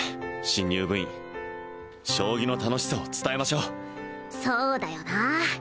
新入部員将棋の楽しさを伝えましょうそうだよな